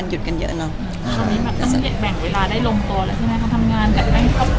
ก็เป็นอีกประสบการณ์หนึ่งสำหรับการชมภาพยนตร์ที่ระบบดีแล้วก็นอนสบายด้วยค่ะ